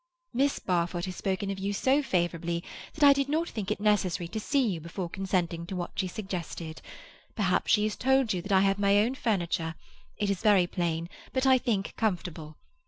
"Miss Barfoot has spoken of you so favourably that I did not think it necessary to see you before consenting to what she suggested. Perhaps she has told you that I have my own furniture; it is very plain, but, I think, comfortable.